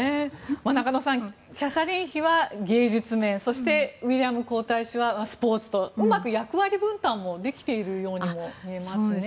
中野さんキャサリン妃は芸術面そしてウィリアム皇太子はスポーツとうまく役割分担もできているようにも見えますね。